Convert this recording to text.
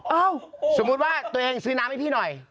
เอ้าสมมุติว่าตัวเองซื้อน้ำให้พี่หน่อย